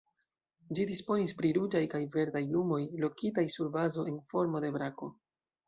Ĝi disponis pri ruĝaj kaj verdaj lumoj, lokitaj sur bazo en formo de brako.